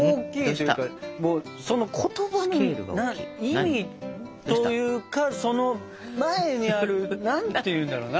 その言葉の意味というかその前にある何て言うんだろうな。